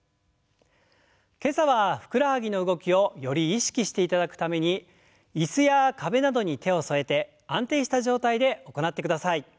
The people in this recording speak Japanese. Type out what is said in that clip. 今朝はふくらはぎの動きをより意識していただくために椅子や壁などに手を添えて安定した状態で行ってください。